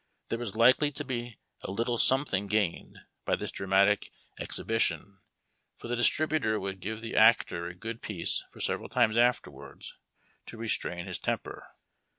There was likely to be a little something gained by this dramatic exhibition, for the distributor would give the actor a good piece for several times afterwards, to restrain his temper.